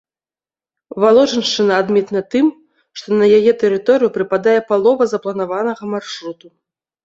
Валожыншчына адметна тым, што на яе тэрыторыю прыпадае палова запланаванага маршруту.